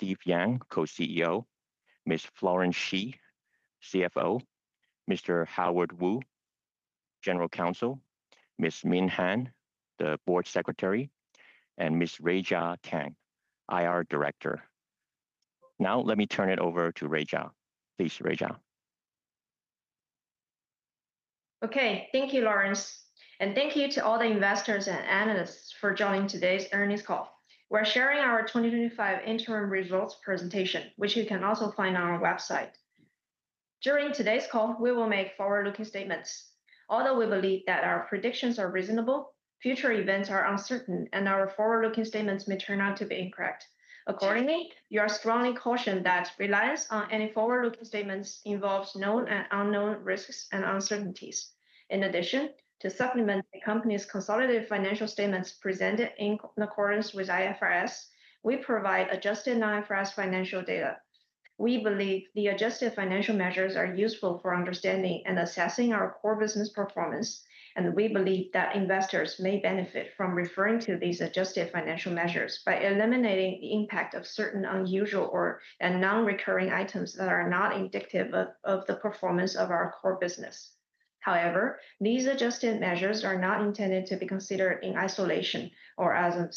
Steve Yang, Co-CEO, Florence Shi, CFO, Howard Wu, General Counsel, Min Han, the Board Secretary, and Ruijia Tang, IR Director. Now, let me turn it over to Ruijia. Please, Ruijia. Okay, thank you, Lawrence. Thank you to all the investors and analysts for joining today's earnings call. We are sharing our 2025 interim results presentation, which you can also find on our website. During today's call, we will make forward-looking statements. Although we believe that our predictions are reasonable, future events are uncertain, and our forward-looking statements may turn out to be incorrect. Accordingly, you are strongly cautioned that reliance on any forward-looking statements involves known and unknown risks and uncertainties. In addition, to supplement the company's consolidated financial statements presented in accordance with IFRS, we provide adjusted non-IFRS financial data. We believe the adjusted financial measures are useful for understanding and assessing our core business performance, and we believe that investors may benefit from referring to these adjusted financial measures by eliminating the impact of certain unusual or non-recurring items that are not indicative of the performance of our core business. However, these adjusted measures are not intended to be considered in isolation or as a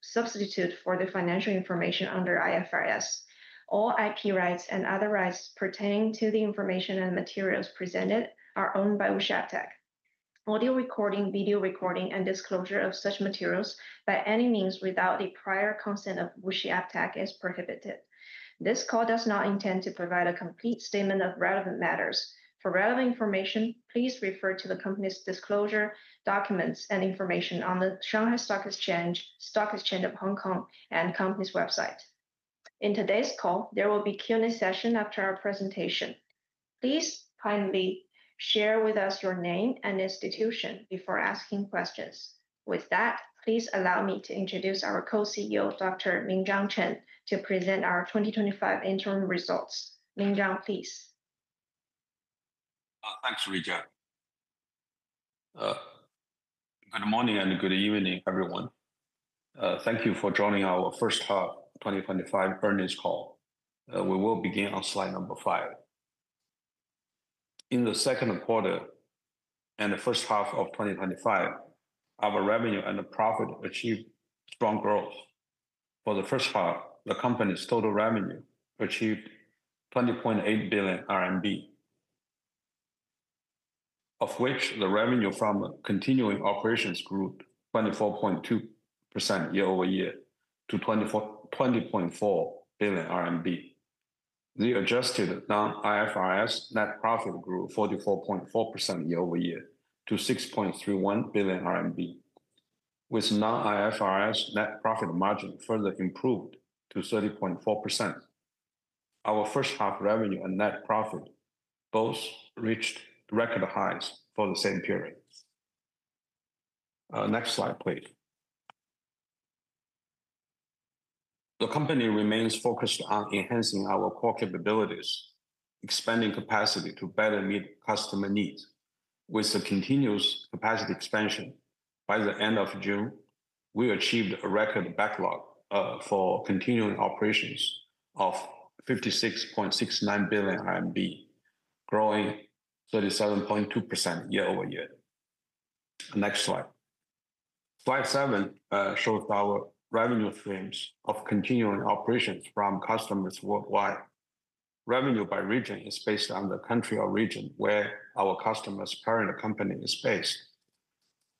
substitute for the financial information under IFRS. All IP rights and other rights pertaining to the information and materials presented are owned by WuXi AppTec. Audio recording, video recording, and disclosure of such materials by any means without the prior consent of WuXi AppTec is prohibited. This call does not intend to provide a complete statement of relevant matters. For relevant information, please refer to the company's disclosure documents and information on the Shanghai Stock Exchange, Stock Exchange of Hong Kong, and the company's website. In today's call, there will be a Q&A session after our presentation. Please kindly share with us your name and institution before asking questions. With that, please allow me to introduce our Co-CEO, Dr. Minzhang Chen, to present our 2025 interim results. Minzhang, please. Thanks, Ruijia. Good morning and good evening, everyone. Thank you for joining our first-half 2025 earnings call. We will begin on slide number five. In the second quarter and the first-half of 2025, our revenue and profit achieved strong growth. For the first-half, the company's total revenue achieved CNY 20.8 billion. Of which the revenue from continuing operations grew 24.2% year-over-year to CNY 20.4 billion. The adjusted non-IFRS net profit grew 44.4% year-over-year to 6.31 billion RMB. With non-IFRS net profit margin further improved to 30.4%. Our first-half revenue and net profit both reached record highs for the same period. Next slide, please. The company remains focused on enhancing our core capabilities, expanding capacity to better meet customer needs. With the continuous capacity expansion, by the end of June, we achieved a record backlog for continuing operations of 56.69 billion RMB, growing 37.2% year-over-year. Next slide. Slide seven shows our revenue streams of continuing operations from customers worldwide. Revenue by region is based on the country or region where our customers' parent company is based,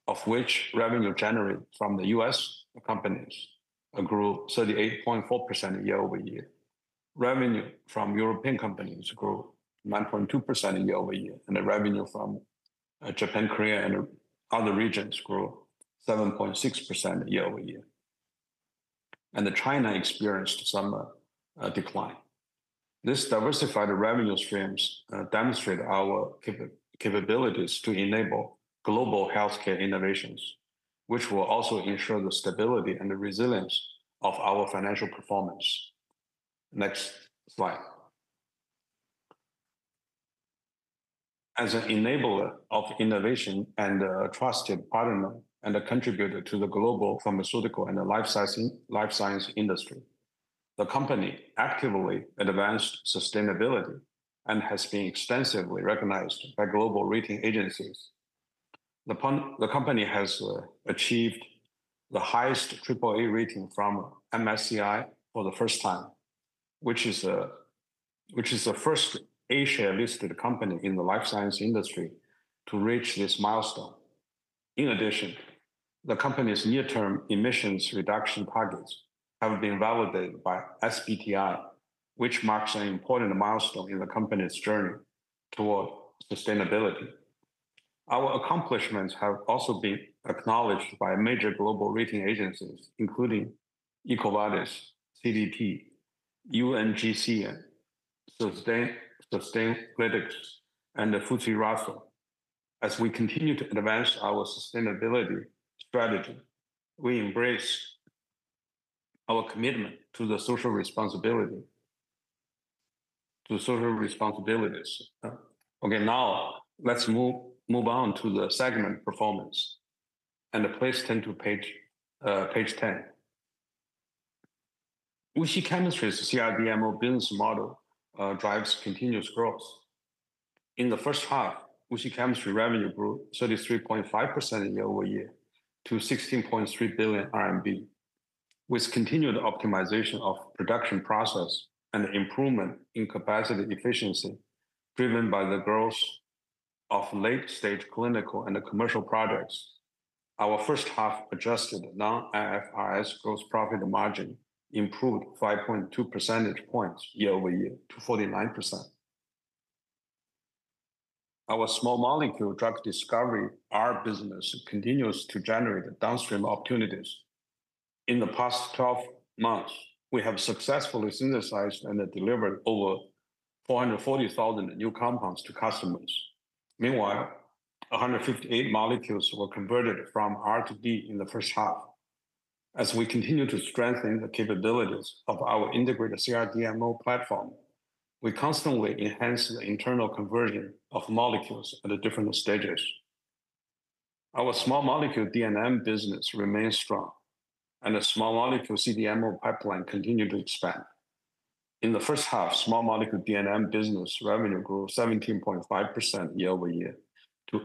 of which revenue generated from U.S. companies grew 38.4% year-over-year. Revenue from European companies grew 9.2% year-over-year, and the revenue from Japan, Korea, and other regions grew 7.6% year-over-year. China experienced some decline. These diversified revenue streams demonstrate our capabilities to enable global healthcare innovations, which will also ensure the stability and the resilience of our financial performance. Next slide. As an enabler of innovation and a trusted partner and a contributor to the global pharmaceutical and life science industry, the company actively advanced sustainability and has been extensively recognized by global rating agencies. The company has achieved the highest AAA rating from MSCI for the first time, which is the first Asia-listed company in the life science industry to reach this milestone. In addition, the company's near-term emissions reduction targets have been validated by SBTi, which marks an important milestone in the company's journey toward sustainability. Our accomplishments have also been acknowledged by major global rating agencies, including EcoVadis, CDP, UNGC, Sustainalytics, and Fujitsu. As we continue to advance our sustainability strategy, we embrace our commitment to the social responsibility. To social responsibilities. Okay, now let's move on to the segment performance. Please turn to page 10. WuXi Chemistry's CRDMO business model drives continuous growth. In the first-half, WuXi Chemistry revenue grew 33.5% year-over-year to 16.3 billion RMB. With continued optimization of production processes and improvement in capacity efficiency driven by the growth of late-stage clinical and commercial projects, first-half adjusted non-IFRS gross profit margin improved 5.2 percentage points year-over-year to 49%. Our small molecule drug discovery R business continues to generate downstream opportunities. In the past 12 months, we have successfully synthesized and delivered over 440,000 new compounds to customers. Meanwhile, 158 molecules were converted from R to D in the first-half. As we continue to strengthen the capabilities of our integrated CRDMO platform, we constantly enhance the internal conversion of molecules at different stages. Our small molecule DNM business remains strong, and the small molecule CDMO pipeline continues to expand. In the first-half, small molecule DNM business revenue grew 17.5% year-over-year to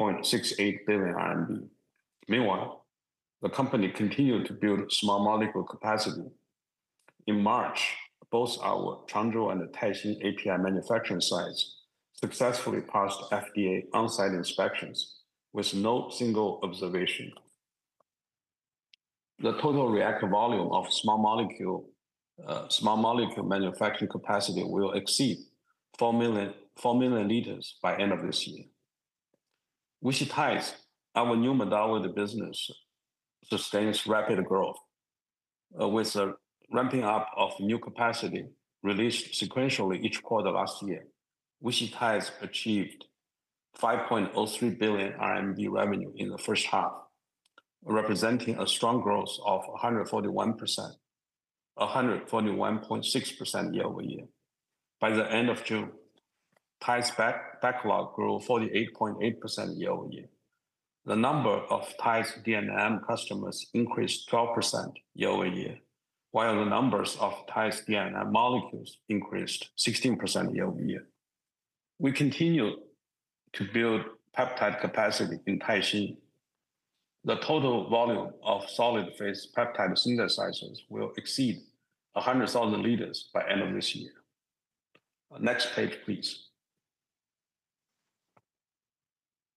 8.68 billion RMB. Meanwhile, the company continued to build small molecule capacity. In March, both our Changzhou and Taixing API manufacturing sites successfully passed FDA on-site inspections with no single observation. The total reactive volume of small molecule manufacturing capacity will exceed four million liters by the end of this year. WuXi TIDES's new modality business sustains rapid growth. With the ramping up of new capacity released sequentially each quarter last year, WuXi TIDES achieved 5.03 billion RMB revenue in the first-half, representing a strong growth of 141.6% year-over-year. By the end of June, TIDES's backlog grew 48.8% year-over-year. The number of TIDES's DNM customers increased 12% year-over-year, while the numbers of TIDES's DNM molecules increased 16% year-over-year. We continue to build peptide capacity in Taixing. The total volume of solid-phase peptide synthesizers will exceed 100,000 liters by the end of this year. Next page, please.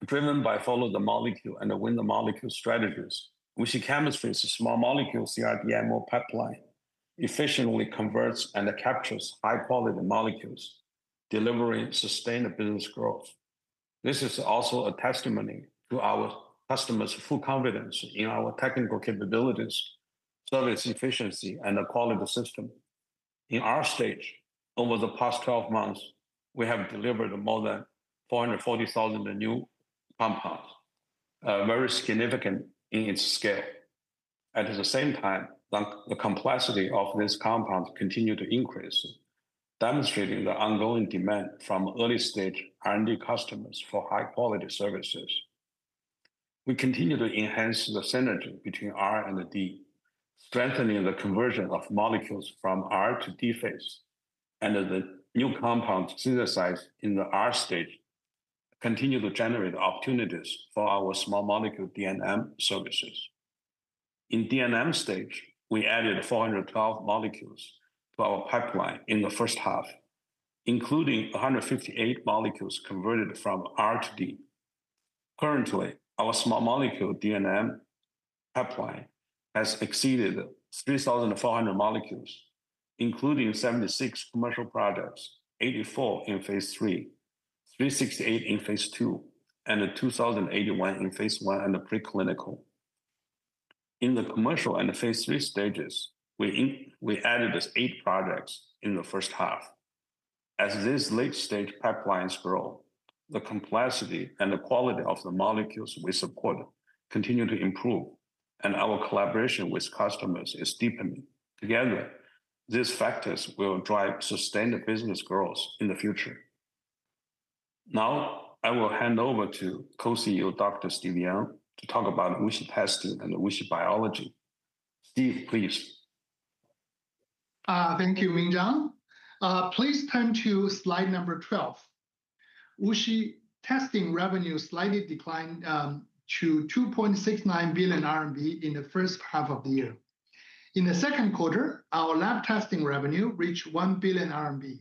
Driven by follow-the-molecule and win-the-molecule strategies, WuXi Chemistry's small molecule CRDMO pipeline efficiently converts and captures high-quality molecules, delivering sustained business growth. This is also a testimony to our customers' full confidence in our technical capabilities, service efficiency, and the quality system. In our R stage, over the past 12 months, we have delivered more than 440,000 new compounds. Very significant in its scale. At the same time, the complexity of these compounds continues to increase, demonstrating the ongoing demand from early-stage R and D customers for high-quality services. We continue to enhance the synergy between R and D, strengthening the conversion of molecules from R to D phase, and the new compounds synthesized in the R stage continue to generate opportunities for our small molecule DNM services. In the DNM stage, we added 412 molecules to our pipeline in the first-half, including 158 molecules converted from R to D. Currently, our small molecule DNM pipeline has exceeded [3,400] molecules, including 76 commercial projects, 84 in phase III, 368 in phase II, and 2,081 in phase I and the preclinical. In the commercial and phase III stages, we added eight projects in the first-half. As these late-stage pipelines grow, the complexity and the quality of the molecules we support continue to improve, and our collaboration with customers is deepening. Together, these factors will drive sustained business growth in the future. Now, I will hand over to Co-CEO Dr. Steve Yang to talk about WuXi Testing and WuXi Biology. Steve, please. Thank you, Minzhang. Please turn to slide number 12. WuXi Testing revenue slightly declined to 2.69 billion RMB in the first-half of the year. In the second quarter, our lab testing revenue reached 1 billion RMB,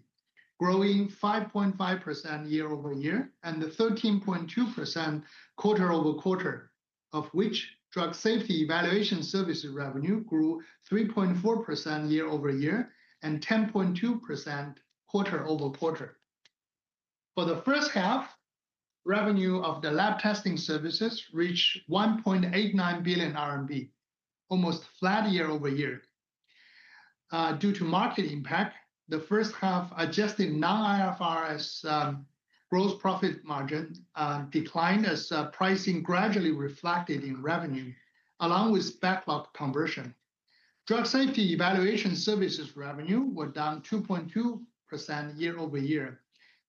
growing 5.5% year-over-year and 13.2% quarter-over-quarter, of which drug safety evaluation services revenue grew 3.4% year-over-year and 10.2% quarter-over-quarter. For the first-half, revenue of the lab testing services reached 1.89 billion RMB, almost flat year-over-year. Due to market impact, the first-half adjusted non-IFRS gross profit margin declined as pricing gradually reflected in revenue, along with backlog conversion. Drug safety evaluation services revenue was down 2.2% year-over-year,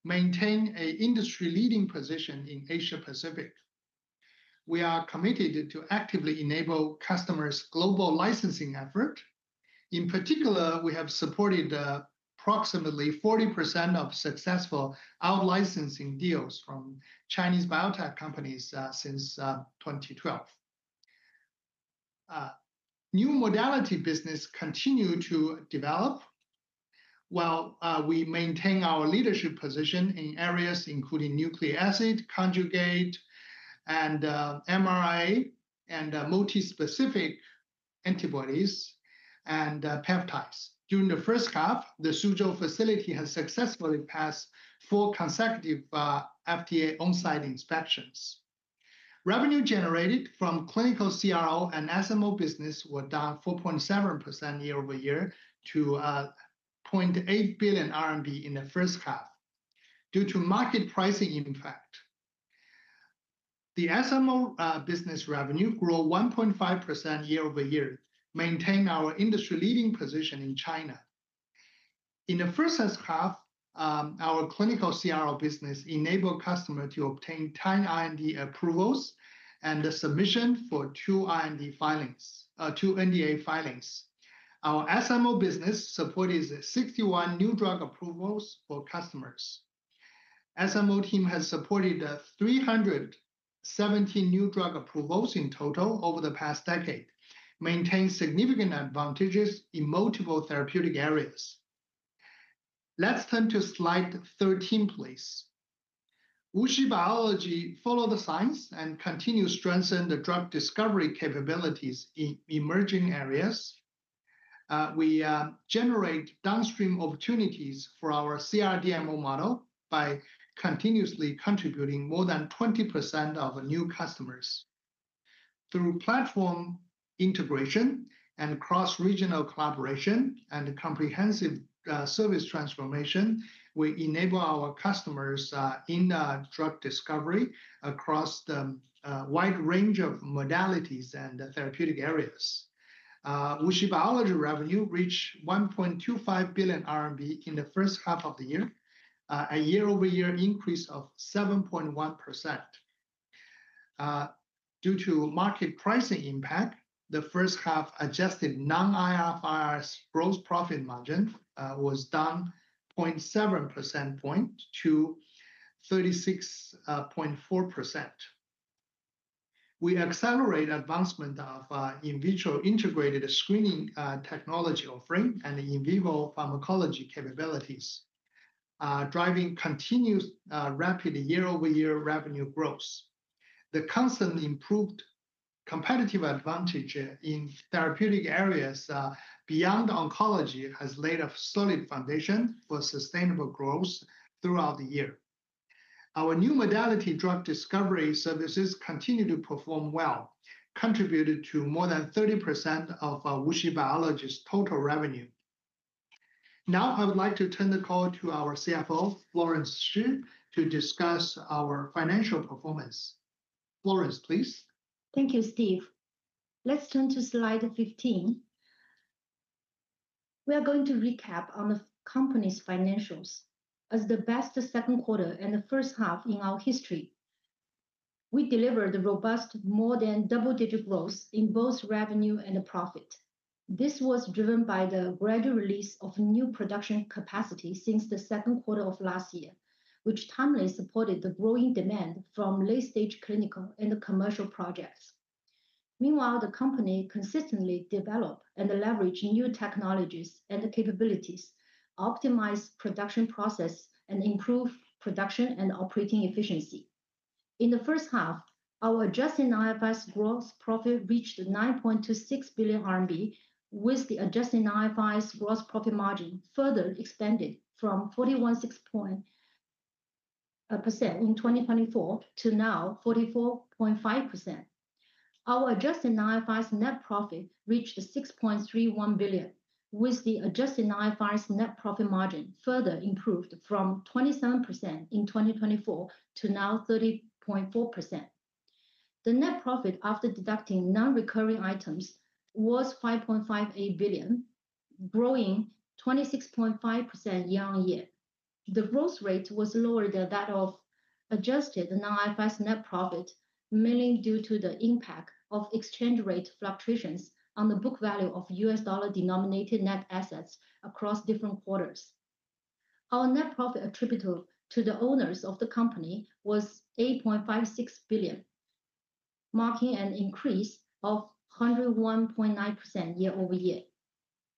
maintaining an industry-leading position in Asia-Pacific. We are committed to actively enable customers' global licensing effort. In particular, we have supported approximately 40% of successful out-licensing deals from Chinese biotech companies since 2012. New modality business continues to develop. While we maintain our leadership position in areas including nucleic acid, conjugate, and mRNA, and multi-specific antibodies, and peptides. During the first-half, the Suzhou facility has successfully passed four consecutive FDA on-site inspections. Revenue generated from clinical CRO and SMO business was down 4.7% year-over-year to 0.8 billion RMB in the first-half due to market pricing impact. The SMO business revenue grew 1.5% year-over-year, maintaining our industry-leading position in China. In the first-half, our clinical CRO business enabled customers to obtain 10 R&D approvals and the submission for two NDA filings. Our SMO business supported 61 new drug approvals for customers. The SMO team has supported 317 new drug approvals in total over the past decade, maintaining significant advantages in multiple therapeutic areas. Let's turn to slide 13, please. WuXi Biology follows the science and continues to strengthen the drug discovery capabilities in emerging areas. We generate downstream opportunities for our CRDMO model by continuously contributing more than 20% of new customers. Through platform integration and cross-regional collaboration and comprehensive service transformation, we enable our customers in drug discovery across the wide range of modalities and therapeutic areas. WuXi Biology revenue reached 1.25 billion RMB in the first-half of the year, a year-over-year increase of 7.1%. Due to market pricing impact, the first-half adjusted non-IFRS gross profit margin was down 0.7 percentage points to 36.4%. We accelerate advancement of in-vitro integrated screening technology offering and in-vivo pharmacology capabilities, driving continuous rapid year-over-year revenue growth. The constantly improved competitive advantage in therapeutic areas beyond oncology has laid a solid foundation for sustainable growth throughout the year. Our new modality drug discovery services continue to perform well, contributing to more than 30% of WuXi Biology's total revenue. Now, I would like to turn the call to our CFO, Florence Shi, to discuss our financial performance. Florence, please. Thank you, Steve. Let's turn to slide 15. We are going to recap on the company's financials as the best second quarter and the first-half in our history. We delivered robust, more-than-double-digit growth in both revenue and profit. This was driven by the gradual release of new production capacity since the second quarter of last year, which timely supported the growing demand from late-stage clinical and commercial projects. Meanwhile, the company consistently developed and leveraged new technologies and capabilities, optimized production processes, and improved production and operating efficiency. In the first-half, our adjusted non-IFRS gross profit reached 9.26 billion RMB, with the adjusted non-IFRS gross profit margin further expanded from 41.6% in 2024 to now 44.5%. Our adjusted non-IFRS net profit reached 6.31 billion, with the adjusted non-IFRS net profit margin further improved from 27% in 2024 to now 30.4%. The net profit after deducting non-recurring items was 5.58 billion, growing 26.5% year-on-year. The growth rate was lower than that of adjusted non-IFRS net profit, mainly due to the impact of exchange rate fluctuations on the book value of U.S. dollar-denominated net assets across different quarters. Our net profit attributable to the owners of the company was 8.56 billion, marking an increase of 101.9% year-over-year.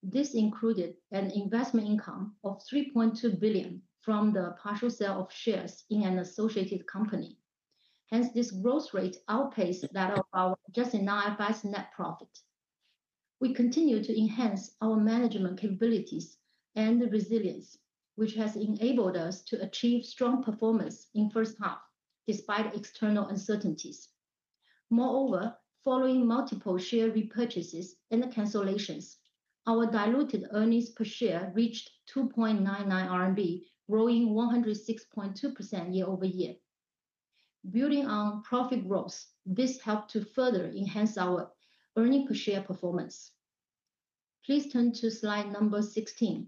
This included an investment income of 3.2 billion from the partial sale of shares in an associated company. Hence, this growth rate outpaced that of our adjusted non-IFRS net profit. We continue to enhance our management capabilities and resilience, which has enabled us to achieve strong performance in the first-half despite external uncertainties. Moreover, following multiple share repurchases and cancellations, our diluted earnings per share reached 2.99 RMB, growing 106.2% year-over-year. Building on profit growth, this helped to further enhance our earnings per share performance. Please turn to slide number 16.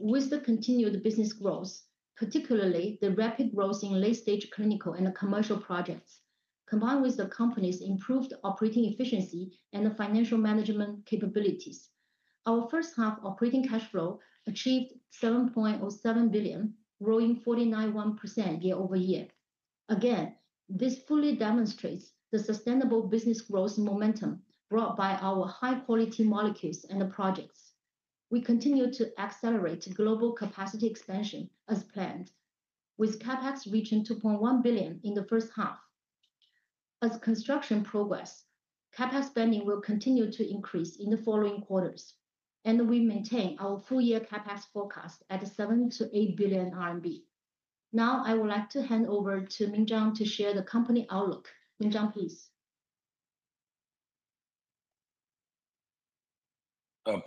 With the continued business growth, particularly the rapid growth in late-stage clinical and commercial projects, combined with the company's improved operating efficiency and financial management capabilities, our first-half operating cash flow achieved 7.07 billion, growing 49.1% year-over-year. Again, this fully demonstrates the sustainable business growth momentum brought by our high-quality molecules and projects. We continue to accelerate global capacity expansion as planned, with CapEx reaching 2.1 billion in the first-half. As construction progresses, CapEx spending will continue to increase in the following quarters, and we maintain our full-year CapEx forecast at 7 billion-8 billion RMB. Now, I would like to hand over to Minzhang to share the company outlook. Minzhang, please.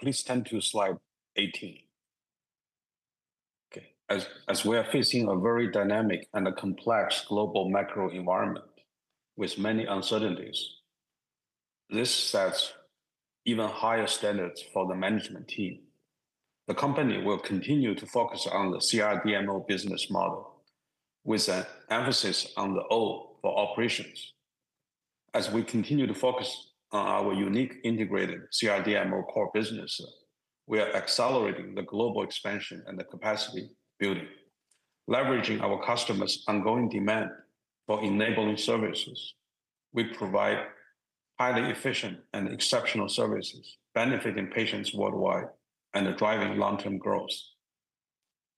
Please turn to slide 18. Okay. As we are facing a very dynamic and complex global macro environment with many uncertainties. This sets even higher standards for the management team. The company will continue to focus on the CRDMO business model, with an emphasis on the O for operations. As we continue to focus on our unique integrated CRDMO core business. We are accelerating the global expansion and the capacity building, leveraging our customers' ongoing demand for enabling services. We provide highly efficient and exceptional services, benefiting patients worldwide and driving long-term growth.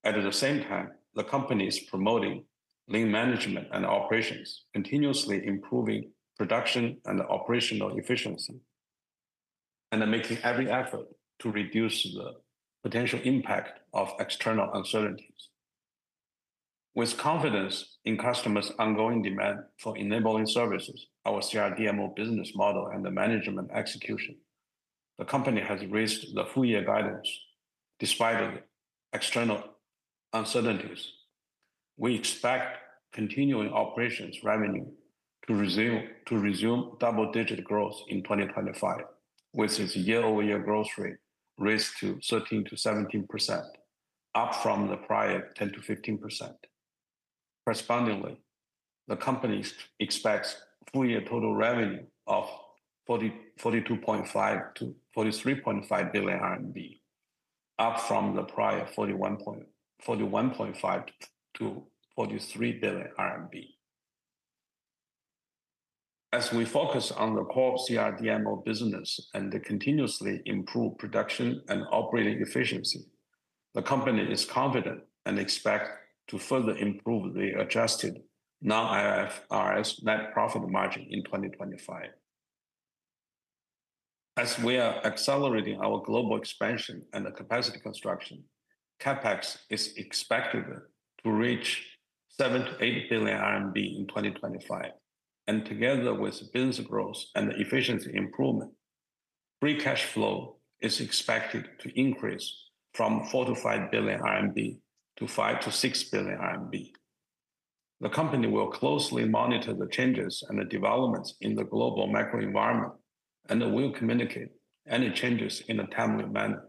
At the same time, the company is promoting lean management and operations, continuously improving production and operational efficiency. Making every effort to reduce the potential impact of external uncertainties. With confidence in customers' ongoing demand for enabling services, our CRDMO business model and the management execution, the company has raised the full-year guidance despite external uncertainties. We expect continuing operations revenue to resume double-digit growth in 2025, with its year-over-year growth rate raised to 13%-17%, up from the prior 10%-15%. Correspondingly, the company expects full-year total revenue of 42.5 billion-43.5 billion RMB, up from the prior 41.5 billion-43 billion RMB. As we focus on the core CRDMO business and the continuously improved production and operating efficiency, the company is confident and expects to further improve the adjusted non-IFRS net profit margin in 2025. As we are accelerating our global expansion and the capacity construction, CapEx is expected to reach 7 billion-8 billion RMB in 2025. Together with business growth and the efficiency improvement, free cash flow is expected to increase from 4 billion-5 billion to 5 billion-6 billion RMB. The company will closely monitor the changes and the developments in the global macro environment, and we will communicate any changes in a timely manner.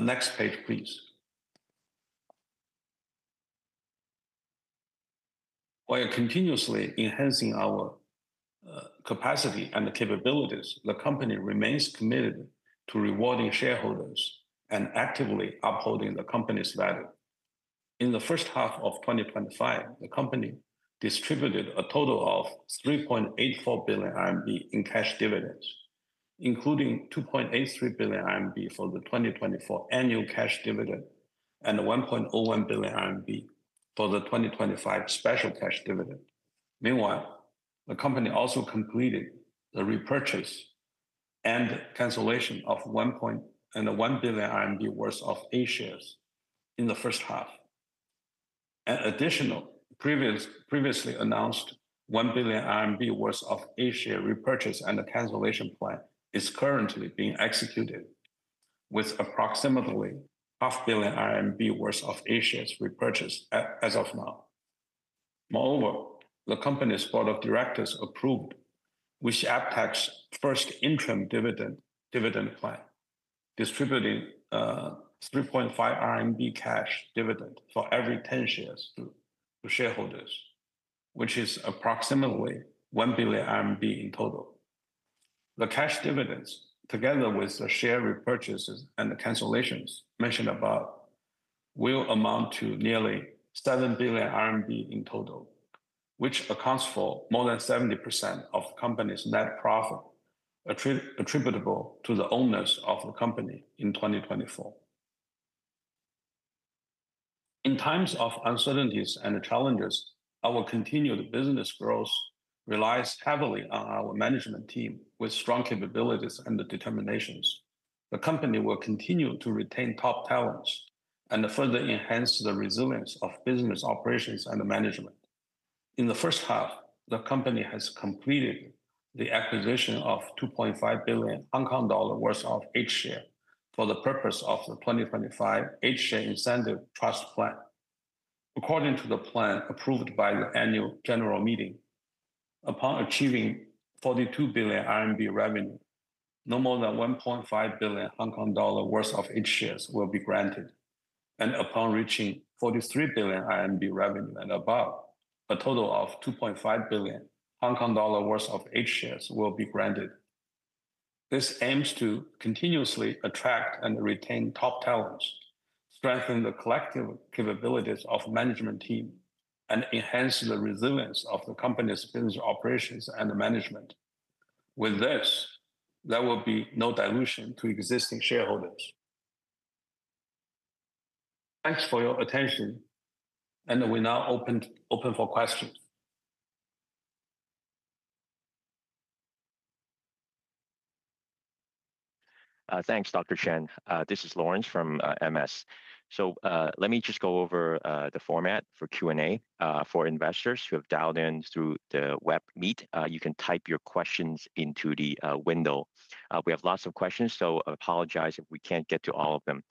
Next page, please. While continuously enhancing our capacity and capabilities, the company remains committed to rewarding shareholders and actively upholding the company's value. In the first-half of 2025, the company distributed a total of 3.84 billion RMB in cash dividends, including 2.83 billion RMB for the 2024 annual cash dividend and 1.01 billion RMB for the 2025 special cash dividend. Meanwhile, the company also completed the repurchase and cancellation of 1.1 billion RMB worth of A-shares in the first-half. An additional previously announced 1 billion RMB worth of A-share repurchase and cancellation plan is currently being executed, with approximately 0.5 billion RMB worth of A-shares repurchased as of now. Moreover, the company's board of directors approved WuXi AppTec's first interim dividend plan, distributing 3.5 RMB cash dividend for every 10 shares to shareholders, which is approximately 1 billion RMB in total. The cash dividends, together with the share repurchases and the cancellations mentioned above, will amount to nearly 7 billion RMB in total, which accounts for more than 70% of the company's net profit attributable to the owners of the company in 2024. In times of uncertainties and challenges, our continued business growth relies heavily on our management team with strong capabilities and determinations. The company will continue to retain top talents and further enhance the resilience of business operations and management. In the first-half, the company has completed the acquisition of 2.5 billion Hong Kong dollar worth of A-share for the purpose of the 2025 A-share incentive trust plan. According to the plan approved by the annual general meeting, upon achieving 42 billion RMB revenue, no more than 1.5 billion Hong Kong dollar worth of A-shares will be granted. Upon reaching 43 billion RMB revenue and above, a total of 2.5 billion Hong Kong dollar worth of A-shares will be granted. This aims to continuously attract and retain top talents, strengthen the collective capabilities of the management team, and enhance the resilience of the company's business operations and management. With this, there will be no dilution to existing shareholders. Thanks for your attention. We now open for questions. Thanks, Dr. Chen. This is Lawrence from MS. Let me just go over the format for Q&A. For investors who have dialed in through the web meet, you can type your questions into the window. We have lots of questions, so I apologize if we cannot get to all of them.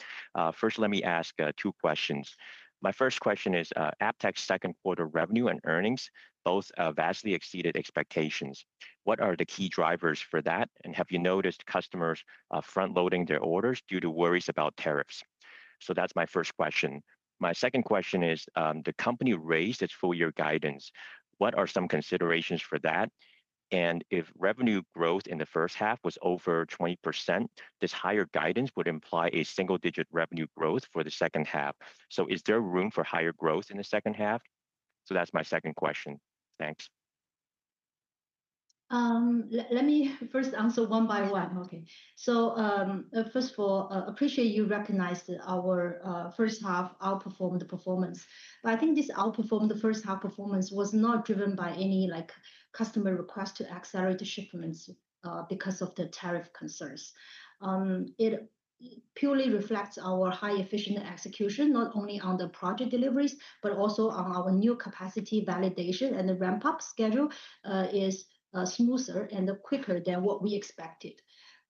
First, let me ask two questions. My first question is AppTec's second quarter revenue and earnings both vastly exceeded expectations. What are the key drivers for that? Have you noticed customers front-loading their orders due to worries about tariffs? That is my first question. My second question is the company raised its full-year guidance. What are some considerations for that? If revenue growth in the first-half was over 20%, this higher guidance would imply a single-digit revenue growth for the second-half. Is there room for higher growth in the second-half? That is my second question. Thanks. Let me first answer one by one. Okay. First of all, I appreciate you recognized our first-half outperformed the performance. I think this outperformed the first-half performance was not driven by any customer request to accelerate the shipments because of the tariff concerns. It purely reflects our high-efficiency execution, not only on the project deliveries, but also on our new capacity validation and the ramp-up schedule is smoother and quicker than what we expected.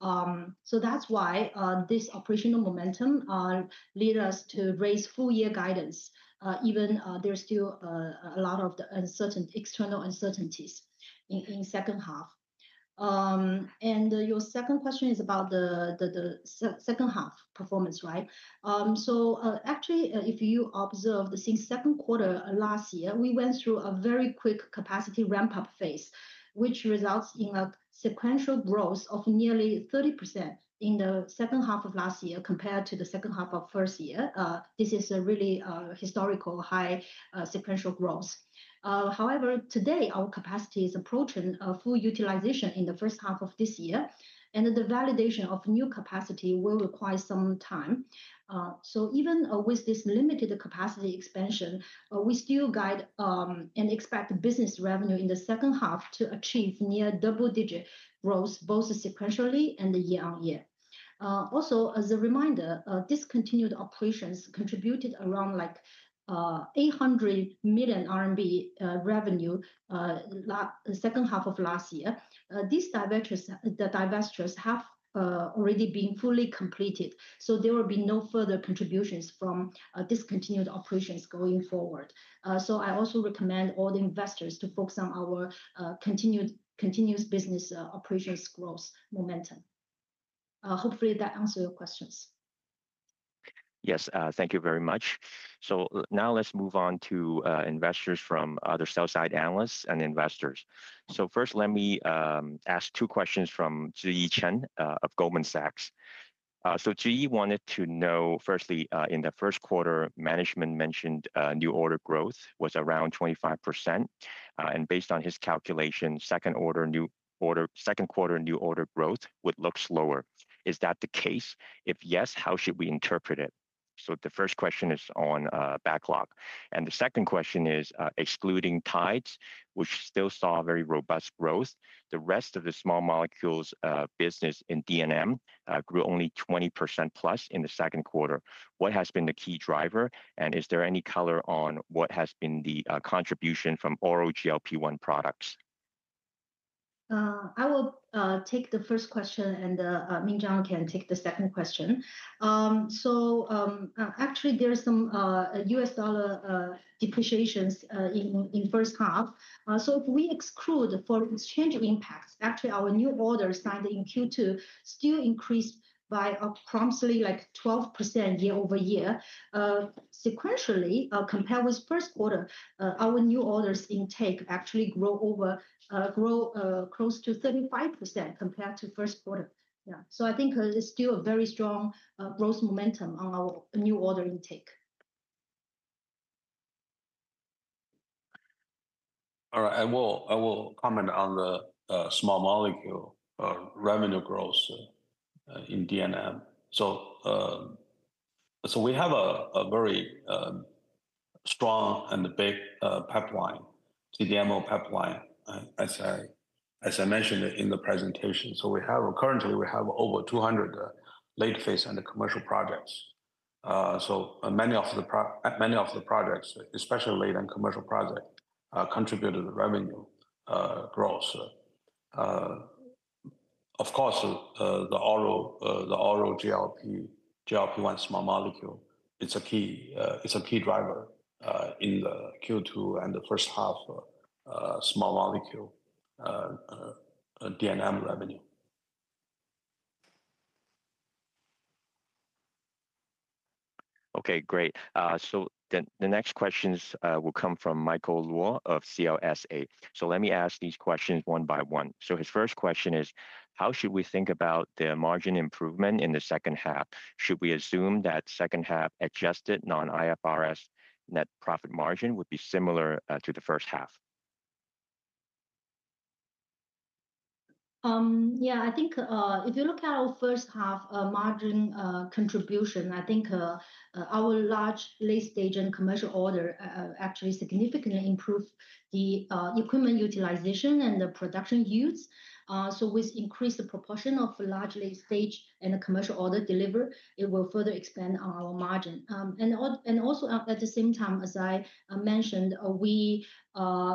That is why this operational momentum led us to raise full-year guidance, even though there is still a lot of the external uncertainties in the second-half. Your second question is about the second-half performance, right? Actually, if you observe the second quarter last year, we went through a very quick capacity ramp-up phase, which results in a sequential growth of nearly 30% in the second-half of last year compared to the second-half of first year. This is a really historical high sequential growth. However, today, our capacity is approaching full utilization in the first-half of this year, and the validation of new capacity will require some time. Even with this limited capacity expansion, we still guide and expect business revenue in the second-half to achieve near double-digit growth, both sequentially and year-on-year. Also, as a reminder, discontinued operations contributed around 800 million RMB revenue in the second-half of last year. These divestitures have already been fully completed, so there will be no further contributions from discontinued operations going forward. I also recommend all the investors to focus on our continuous business operations growth momentum. Hopefully, that answers your questions. Yes, thank you very much. Now let's move on to investors from other sell-side analysts and investors. First, let me ask two questions from Zhiyi Chen of Goldman Sachs. Zhiyi wanted to know, firstly, in the first quarter, management mentioned new order growth was around 25%. Based on his calculation, second quarter new order growth would look slower. Is that the case? If yes, how should we interpret it? The first question is on backlog. The second question is excluding TIDES, which still saw very robust growth. The rest of the small molecules business in DNM grew only 20% plus in the second quarter. What has been the key driver? Is there any color on what has been the contribution from oral GLP-1 products? I will take the first question, and Minzhang can take the second question. Actually, there are some U.S. dollar depreciations in the first-half. If we exclude for exchange impacts, actually, our new orders signed in Q2 still increased by approximately 12% year-over-year. Sequentially, compared with first quarter, our new orders intake actually grew close to 35% compared to first quarter. Yeah, I think it is still a very strong growth momentum on our new order intake. All right. I will comment on the small molecule revenue growth in DNM. We have a very strong and big pipeline, CDMO pipeline, as I mentioned in the presentation. Currently, we have over 200 late-phase and commercial projects. Many of the projects, especially late and commercial projects, contributed to the revenue growth. Of course, the oral GLP-1 small molecule is a key driver in the Q2 and the first-half small molecule DNM revenue. Okay, great. The next questions will come from Michael Luo of CLSA. Let me ask these questions one by one. His first question is, how should we think about the margin improvement in the second-half? Should we assume second-half adjusted non-IFRS net profit margin would be similar to the first-half? Yeah, I think if you look at our first-half margin contribution, I think our large late-stage and commercial order actually significantly improved the equipment utilization and the production use. With increased proportion of large late-stage and commercial order delivery, it will further expand our margin. Also, at the same time, as I mentioned, we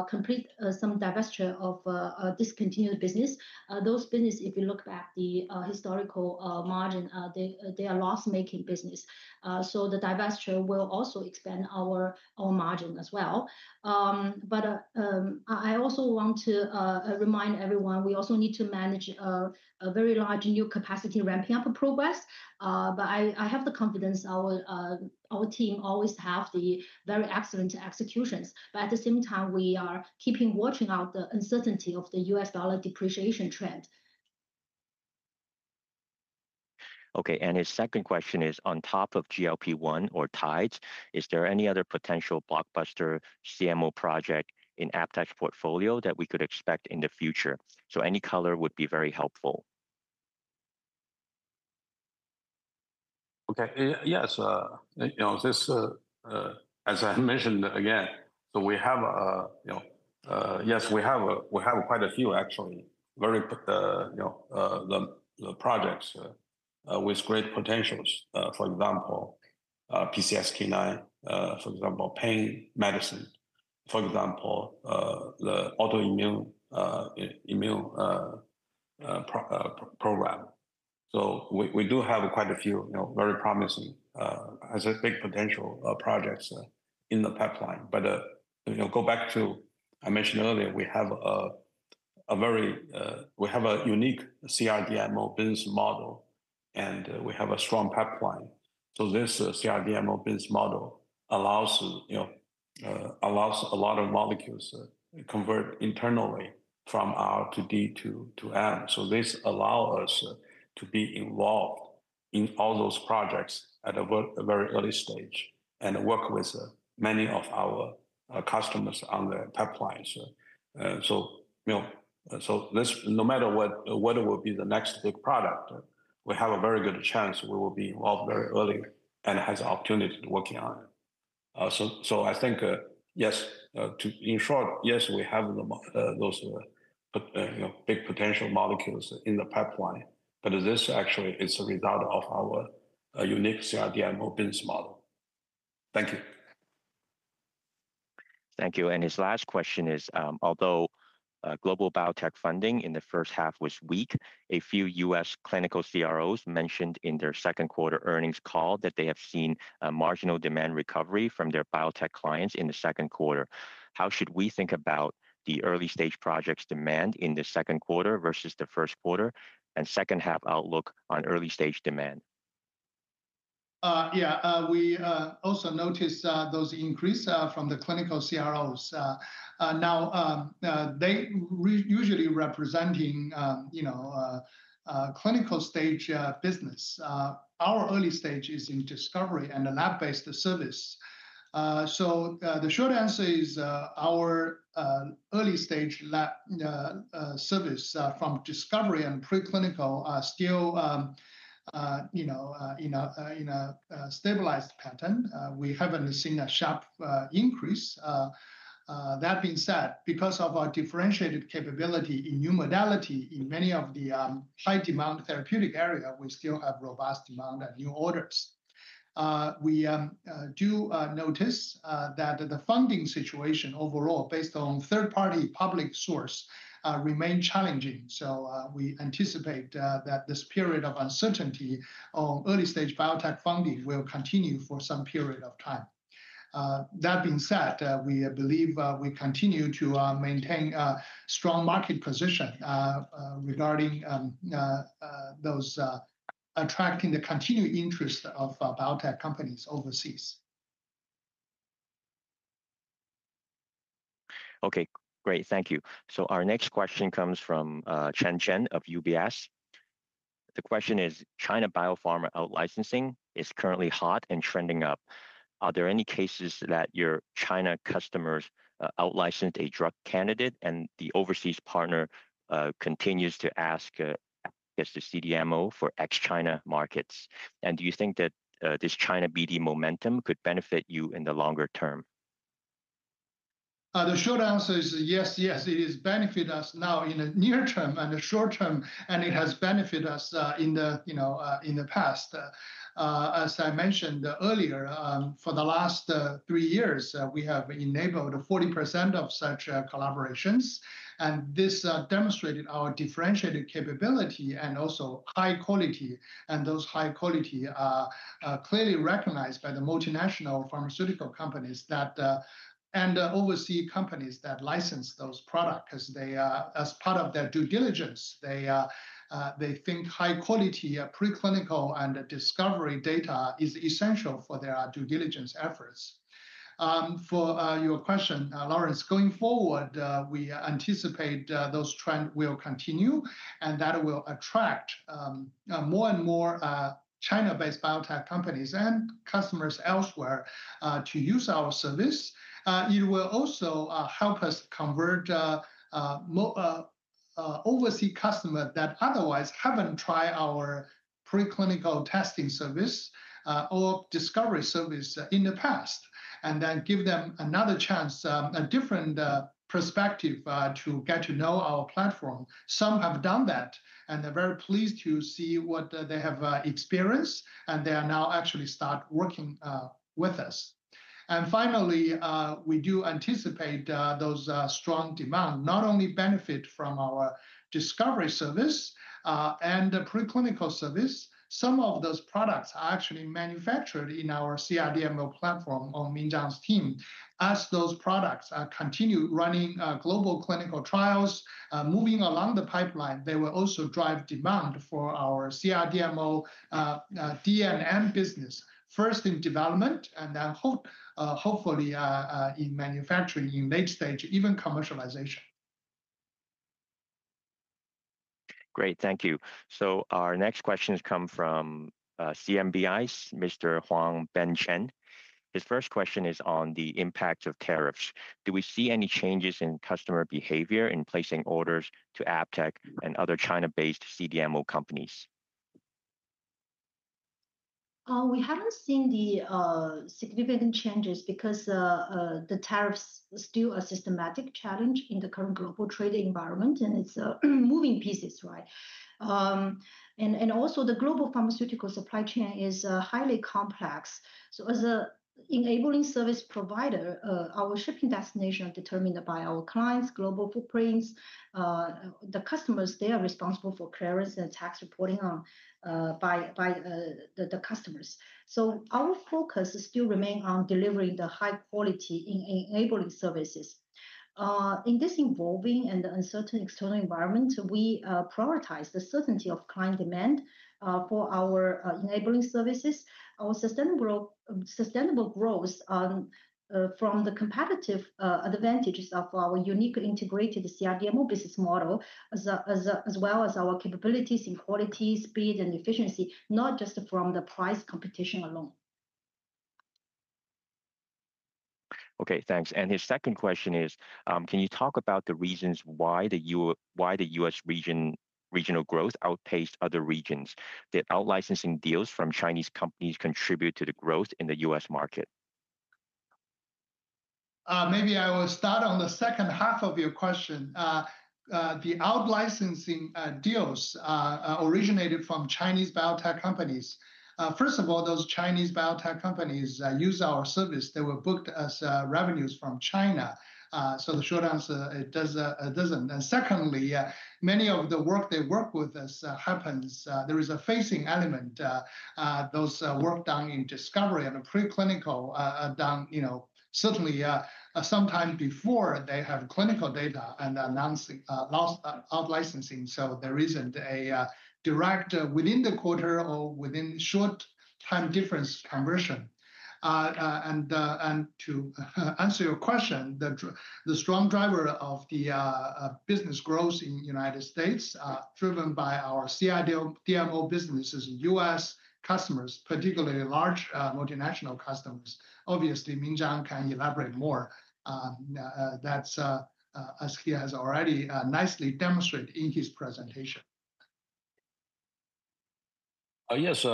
completed some divestiture of discontinued business. Those business, if you look at the historical margin, they are loss-making business. The divestiture will also expand our margin as well. I also want to remind everyone, we also need to manage a very large new capacity ramping-up progress. I have the confidence our team always has the very excellent executions. At the same time, we are keeping watching out the uncertainty of the US dollar depreciation trend. Okay, and his second question is, on top of GLP-1 or TIDES, is there any other potential blockbuster CMO project in AppTec's portfolio that we could expect in the future? Any color would be very helpful. Okay, yes. As I mentioned again, we have quite a few, actually, very projects with great potentials. For example, PCSK9, for example, pain medicine, for example, the autoimmune program. We do have quite a few very promising big potential projects in the pipeline. Go back to, I mentioned earlier, we have a very, we have a unique CRDMO business model, and we have a strong pipeline. This CRDMO business model allows a lot of molecules to convert internally from R to D to M. This allows us to be involved in all those projects at a very early stage and work with many of our customers on the pipeline. No matter what will be the next big product, we have a very good chance we will be involved very early and have the opportunity to work on it. I think, yes, to ensure, yes, we have those big potential molecules in the pipeline. This actually is a result of our unique CRDMO business model. Thank you. Thank you. His last question is, although global biotech funding in the first-half was weak, a few U.S. clinical CROs mentioned in their second quarter earnings call that they have seen a marginal demand recovery from their biotech clients in the second quarter. How should we think about the early-stage projects' demand in the second quarter versus the first quarter second-half outlook on early-stage demand? Yeah, we also noticed those increases from the clinical CROs. They usually represent clinical stage business. Our early stage is in discovery and lab-based service. The short answer is our early-stage lab service from discovery and preclinical are still in a stabilized pattern. We have not seen a sharp increase. That being said, because of our differentiated capability in new modality in many of the high-demand therapeutic areas, we still have robust demand and new orders. We do notice that the funding situation overall, based on third-party public source, remains challenging. We anticipate that this period of uncertainty on early-stage biotech funding will continue for some period of time. That being said, we believe we continue to maintain a strong market position regarding those attracting the continued interest of biotech companies overseas. Okay, great. Thank you. Our next question comes from Chen Chen of UBS. The question is, China biopharma out-licensing is currently hot and trending up. Are there any cases that your China customers outlicensed a drug candidate and the overseas partner continues to ask CDMO for ex-China markets? Do you think that this China-BD momentum could benefit you in the longer term? The short answer is yes, yes. It has benefited us now in the near term and the short term, and it has benefited us in the past. As I mentioned earlier, for the last three years, we have enabled 40% of such collaborations. This demonstrated our differentiated capability and also high quality. Those high quality are clearly recognized by the multinational pharmaceutical companies and overseas companies that license those products as part of their due diligence. They think high-quality preclinical and discovery data is essential for their due diligence efforts. For your question, Lawrence, going forward, we anticipate those trends will continue and that will attract more and more China-based biotech companies and customers elsewhere to use our service. It will also help us convert overseas customers that otherwise have not tried our preclinical testing service or discovery service in the past, and then give them another chance, a different perspective to get to know our platform. Some have done that, and they are very pleased to see what they have experienced, and they are now actually starting to work with us. Finally, we do anticipate those strong demands not only benefit from our discovery service and preclinical service. Some of those products are actually manufactured in our CRDMO platform on Minzhang's team. As those products continue running global clinical trials, moving along the pipeline, they will also drive demand for our CRDMO and DNM business, first in development and then hopefully in manufacturing in late stage, even commercialization. Great, thank you. Our next question has come from CMBI, Mr. Wang Bin Chen. His first question is on the impact of tariffs. Do we see any changes in customer behavior in placing orders to WuXi AppTec and other China-based CDMO companies? We have not seen the significant changes because the tariffs still are a systematic challenge in the current global trade environment, and it is moving pieces, right? Also, the global pharmaceutical supply chain is highly complex. As an enabling service provider, our shipping destination is determined by our clients' global footprints. The customers, they are responsible for clearance and tax reporting by the customers. Our focus still remains on delivering the high-quality enabling services. In this evolving and uncertain external environment, we prioritize the certainty of client demand for our enabling services. Our sustainable growth comes from the competitive advantages of our unique integrated CRDMO business model, as well as our capabilities in quality, speed, and efficiency, not just from the price competition alone. Okay, thanks. His second question is, can you talk about the reasons why the U.S. regional growth outpaced other regions? Did out-licensing deals from Chinese companies contribute to the growth in the U.S. market? Maybe I will start on the second-half of your question. The out-licensing deals originated from Chinese biotech companies. First of all, those Chinese biotech companies used our service. They were booked as revenues from China. The short answer is it does not. Secondly, many of the work they work with us happens, there is a phasing element. Those work done in discovery and preclinical done. Certainly sometime before they have clinical data and announcing out-licensing. There is not a direct within the quarter or within short time difference conversion. To answer your question, the strong driver of the business growth in the United States, driven by our CRDMO businesses in U.S. customers, particularly large multinational customers, obviously, Minzhang can elaborate more. That is, as he has already nicely demonstrated in his presentation. Yes.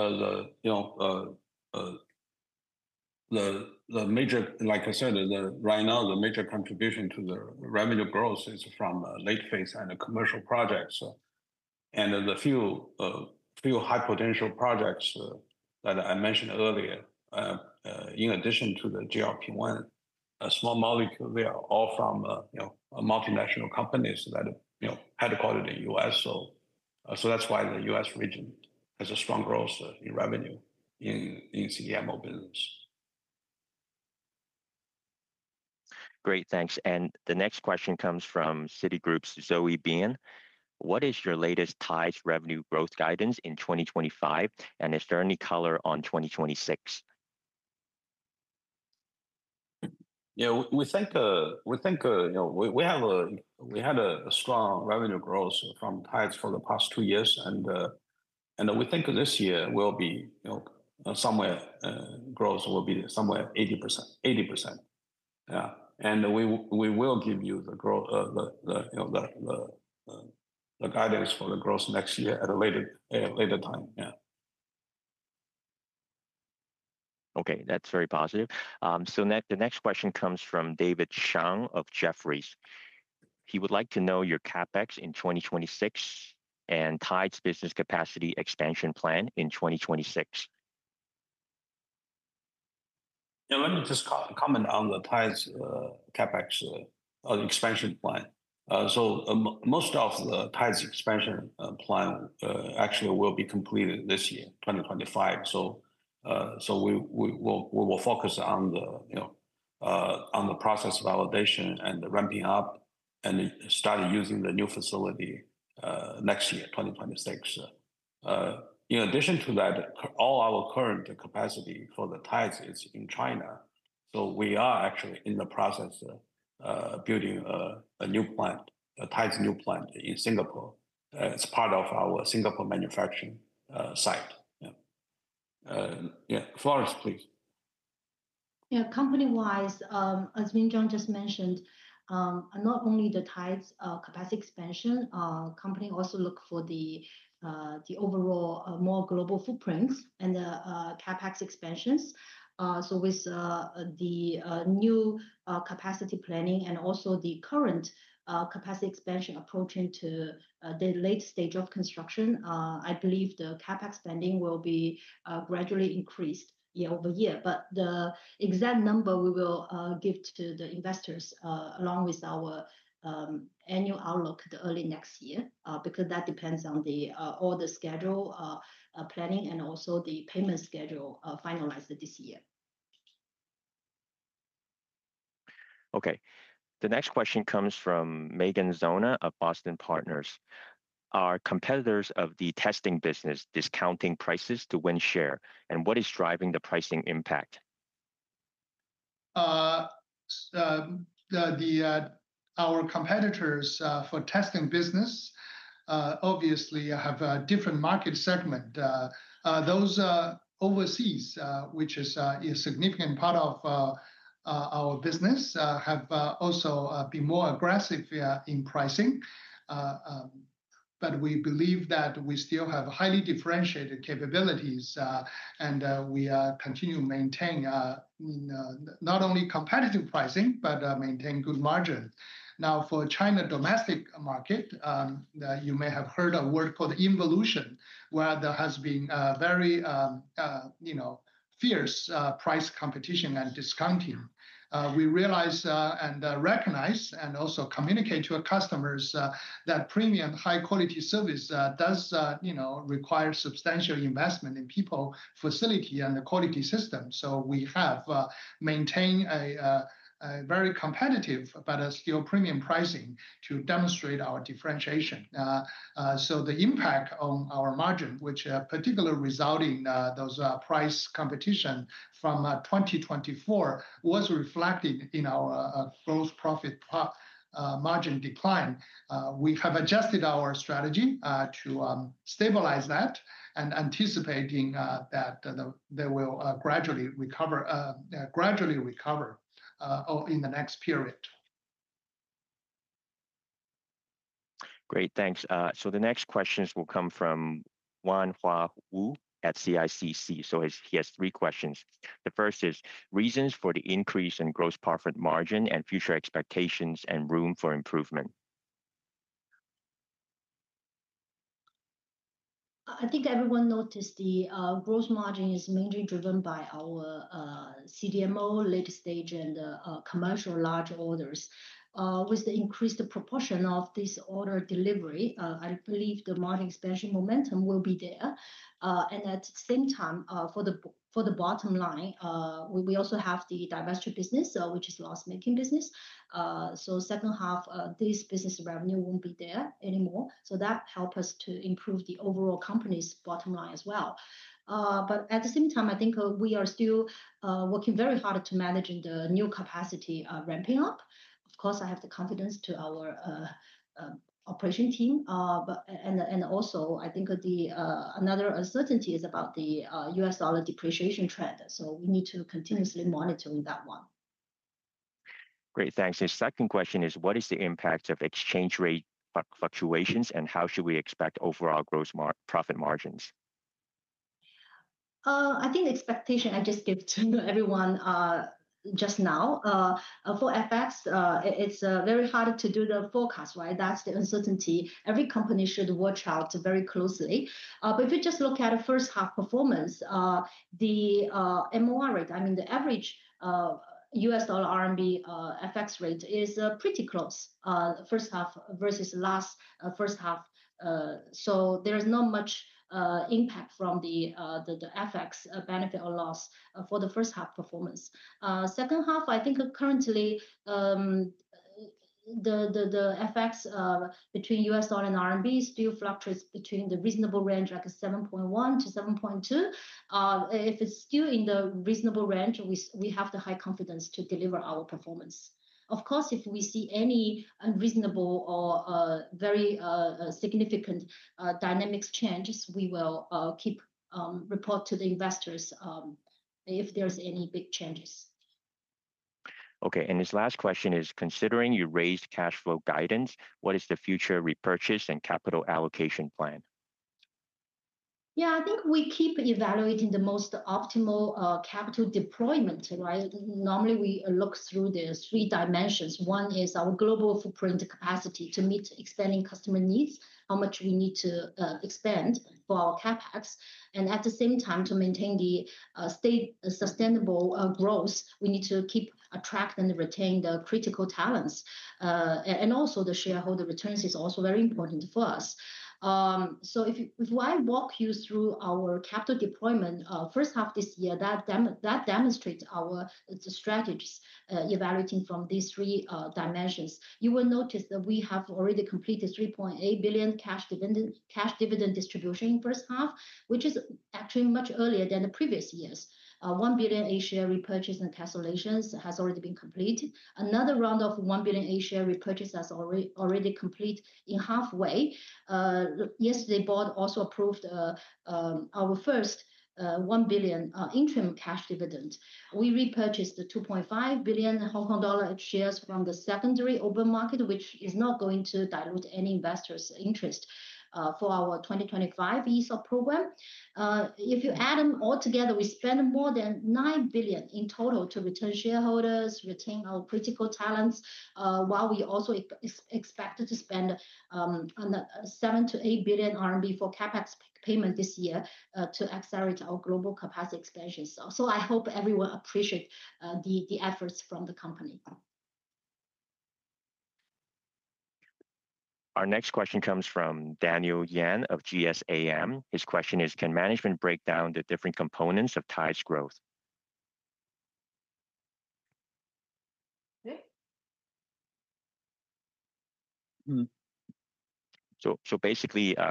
The major, like I said, right now, the major contribution to the revenue growth is from late-phase and commercial projects. The few high-potential projects that I mentioned earlier, in addition to the GLP-1, small molecule, they are all from multinational companies that have had a quarter in the U.S. That is why the U.S. region has a strong growth in revenue in CDMO business. Great, thanks. The next question comes from Citigroup's Zoe Bian. What is your latest TIDES revenue growth guidance in 2025? Is there any color on 2026? Yeah, we think we have a strong revenue growth from TIDES for the past two years. We think this year will be somewhere, growth will be somewhere 80%. 80%. Yeah. We will give you the guidance for the growth next year at a later time. Yeah. Okay, that's very positive. The next question comes from David Shang of Jefferies. He would like to know your CapEx in 2026 and TIDES business capacity expansion plan in 2026. Yeah, let me just comment on the TIDES CapEx expansion plan. Most of the TIDES expansion plan actually will be completed this year, 2025. We will focus on the process validation and the ramping up and start using the new facility next year, 2026. In addition to that, all our current capacity for the TIDES is in China. We are actually in the process of building a new plant, a TIDES new plant in Singapore. It is part of our Singapore manufacturing site. Yeah, Florence, please. Yeah, company-wise, as Minzhang just mentioned. Not only the TIDES capacity expansion company, also look for the overall more global footprints and the CapEx expansions. With the new capacity planning and also the current capacity expansion approaching to the late stage of construction, I believe the CapEx spending will be gradually increased year-over-year. The exact number we will give to the investors along with our annual outlook early next year because that depends on the order schedule planning and also the payment schedule finalized this year. Okay. The next question comes from Megan Zona of Boston Partners. Are competitors of the testing business discounting prices to win share? What is driving the pricing impact? Our competitors for testing business obviously have a different market segment. Those overseas, which is a significant part of our business, have also been more aggressive in pricing. We believe that we still have highly differentiated capabilities, and we continue to maintain not only competitive pricing, but maintain good margins. Now, for China domestic market, you may have heard a word called involution, where there has been very fierce price competition and discounting. We realize and recognize and also communicate to our customers that premium high-quality service does require substantial investment in people, facility, and the quality system. We have maintained a very competitive but still premium pricing to demonstrate our differentiation. The impact on our margin, which particularly resulted in those price competition from 2024, was reflected in our gross profit margin decline. We have adjusted our strategy to stabilize that and anticipating that they will gradually recover in the next period. Great, thanks. The next questions will come from Wan Hua Wu at CICC. He has three questions. The first is reasons for the increase in gross profit margin and future expectations and room for improvement. I think everyone noticed the gross margin is mainly driven by our CDMO, late stage, and commercial large orders. With the increased proportion of this order delivery, I believe the margin expansion momentum will be there. At the same time, for the bottom line, we also have the divestiture business, which is loss-making business. second-half, this business revenue won't be there anymore. That helps us to improve the overall company's bottom line as well. At the same time, I think we are still working very hard to manage the new capacity ramping up. Of course, I have the confidence to our operation team. I think another uncertainty is about the US dollar depreciation trend. We need to continuously monitor that one. Great, thanks. His second question is, what is the impact of exchange rate fluctuations and how should we expect overall gross profit margins? I think the expectation I just gave to everyone. Just now. For FX, it's very hard to do the forecast, right? That's the uncertainty. Every company should watch out very closely. If you just look at the first-half performance, the MOR rate, I mean the average US dollar RMB FX rate, is pretty close, first-half versus last first-half. There is not much impact from the FX benefit or loss for the first-half performance. second-half, I think currently, the FX between US dollar and RMB still fluctuates between the reasonable range like 7.1-7.2. If it's still in the reasonable range, we have the high confidence to deliver our performance. Of course, if we see any unreasonable or very significant dynamic changes, we will keep reporting to the investors if there's any big changes. Okay, and his last question is, considering you raised cash flow guidance, what is the future repurchase and capital allocation plan? Yeah, I think we keep evaluating the most optimal capital deployment, right? Normally, we look through the three dimensions. One is our global footprint capacity to meet extending customer needs, how much we need to expand for our CapEx. At the same time, to maintain the sustainable growth, we need to keep track and retain the critical talents. Also, the shareholder returns is also very important for us. If I walk you through our capital deployment first-half this year, that demonstrates our strategies evaluating from these three dimensions. You will notice that we have already completed 3.8 billion cash dividend distribution in first-half, which is actually much earlier than the previous years. 1 billion A-share repurchase and cancellations has already been completed. Another round of 1 billion A-share repurchase has already completed in halfway. Yesterday, Board also approved our first 1 billion interim cash dividend. We repurchased 2.5 billion Hong Kong dollar shares from the secondary open market, which is not going to dilute any investors' interest for our 2025 ESOP program. If you add them all together, we spend more than 9 billion in total to return shareholders, retain our critical talents, while we also expect to spend 7 billion-8 billion RMB for CapEx payment this year to accelerate our global capacity expansion. I hope everyone appreciates the efforts from the company. Our next question comes from Danlei Yan of GSAM. His question is, can management break down the different components of TIDES growth? Okay.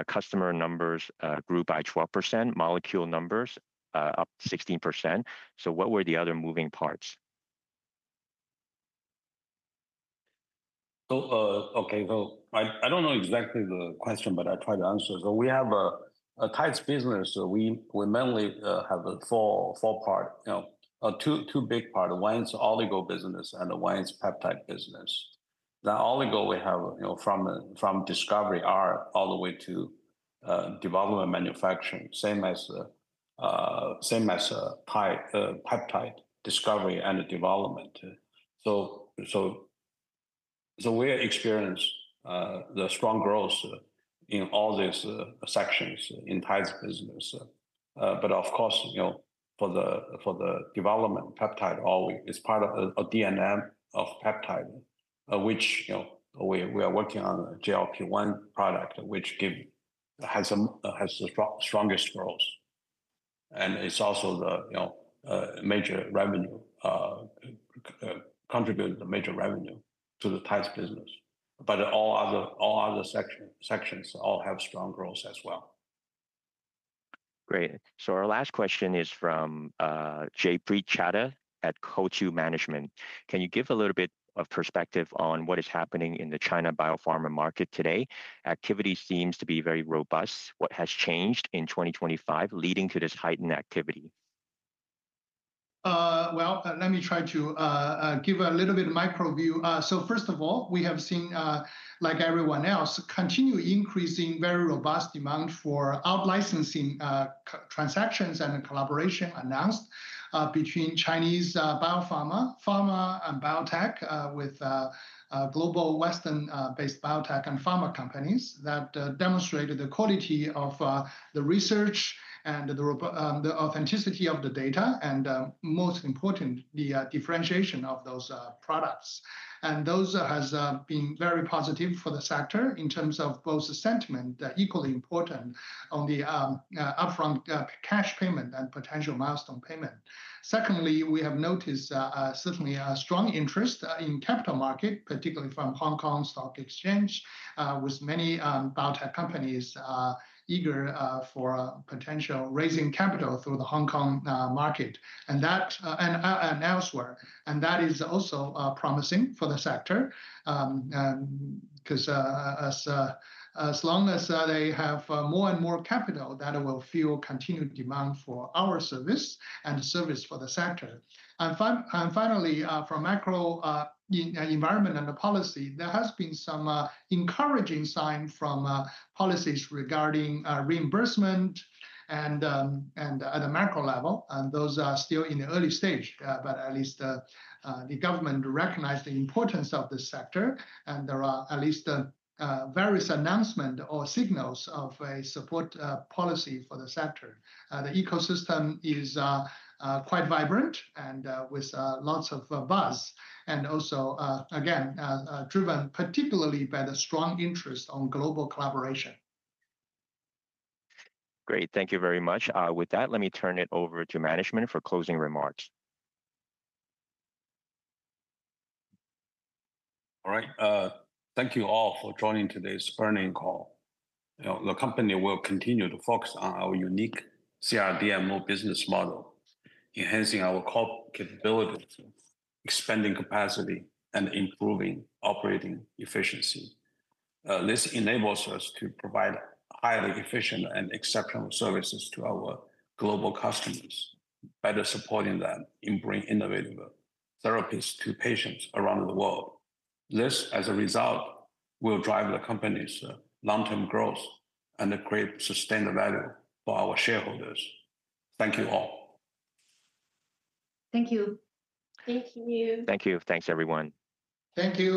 Customer numbers grew by 12%, molecule numbers up 16%. What were the other moving parts? Okay, so I don't know exactly the question, but I'll try to answer. We have a TIDES business. We mainly have four parts. Two big parts. One is oligo business and one is peptide business. The oligo we have from discovery all the way to development manufacturing, same as peptide discovery and development. We experienced strong growth in all these sections in TIDES business. Of course, for the development peptide, it's part of a DNM of peptide, which we are working on a GLP-1 product which has the strongest growth. It's also the major revenue, contributed the major revenue to the TIDES business. All other sections all have strong growth as well. Great. Our last question is from Jaypreet Chadha at Coatue Management. Can you give a little bit of perspective on what is happening in the China biopharma market today? Activity seems to be very robust. What has changed in 2025 leading to this heightened activity? Let me try to give a little bit of micro view. First of all, we have seen, like everyone else, continued increasing very robust demand for out-licensing. Transactions and collaboration announced between Chinese biopharma and biotech with global Western-based biotech and pharma companies have demonstrated the quality of the research and the authenticity of the data. Most importantly, the differentiation of those products. Those have been very positive for the sector in terms of both sentiment, equally important on the upfront cash payment and potential milestone payment. Secondly, we have noticed certainly a strong interest in the capital market, particularly from Hong Kong Stock Exchange, with many biotech companies eager for potential raising capital through the Hong Kong market and elsewhere. That is also promising for the sector. As long as they have more and more capital, that will fuel continued demand for our service and service for the sector. Finally, from macro environment and the policy, there have been some encouraging signs from policies regarding reimbursement at the macro level. Those are still in the early stage, but at least the government recognized the importance of the sector. There are at least various announcements or signals of a support policy for the sector. The ecosystem is quite vibrant and with lots of buzz and also, again, driven particularly by the strong interest on global collaboration. Great. Thank you very much. With that, let me turn it over to management for closing remarks. All right. Thank you all for joining today's earnings call. The company will continue to focus on our unique CRDMO business model, enhancing our core capabilities, expanding capacity, and improving operating efficiency. This enables us to provide highly efficient and exceptional services to our global customers, better supporting them in bringing innovative therapies to patients around the world. This, as a result, will drive the company's long-term growth and create sustained value for our shareholders. Thank you all. Thank you. Thank you. Thank you. Thanks, everyone. Thank you.